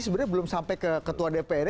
sebenarnya belum sampai ke ketua dprd